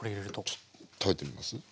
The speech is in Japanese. ちょっと食べてみます？